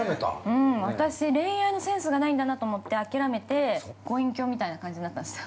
◆うん、私、恋愛のセンスがないんだと思って、諦めて、ご隠居みたいな感じになったんですよ。